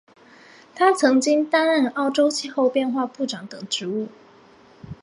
他曾经担任澳洲气候变化部长等职务。